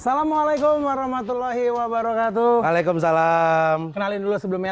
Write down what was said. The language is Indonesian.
assalamualaikum warahmatullahi wabarakatuh waalaikumsalam kenalin dulu sebelumnya